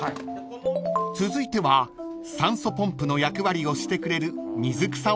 ［続いては酸素ポンプの役割をしてくれる］